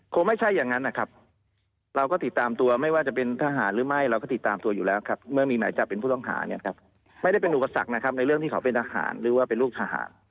คงไม่ใช่อย่างนั้นนะครับเราก็ติดตามตัวไม่ว่าจะเป็นทหารหรือไม่เราก็ติดตามตัวอยู่แล้วครับเมื่อมีหมายจับเป็นผู้ต้องหาเนี่ยครับไม่ได้เป็นอุปสรรคนะครับในเรื่องที่เขาเป็นทหารหรือว่าเป็นลูกทหาร